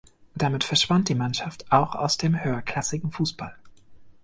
Damit verschwand die Mannschaft auch aus dem höherklassigen Fußball.